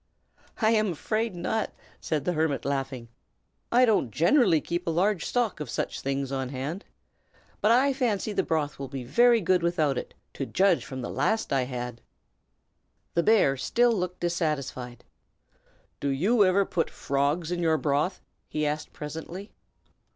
"I am afraid not!" said the hermit, laughing. "I don't generally keep a large stock of such things on hand. But I fancy the broth will be very good without it, to judge from the last I had." The bear still looked dissatisfied. "Do you ever put frogs in your broth?" he asked, presently.